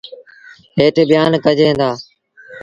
هيٺ بيآن ڪجين دآ۔